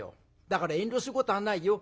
だから遠慮することはないよ。